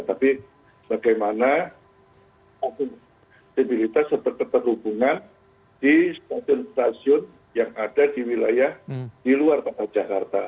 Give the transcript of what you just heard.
tapi bagaimana akuntabilitas serta keterhubungan di stasiun stasiun yang ada di wilayah di luar kota jakarta